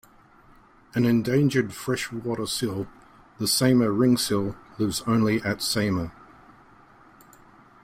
An endangered freshwater seal, the Saimaa Ringed Seal, lives only at Saimaa.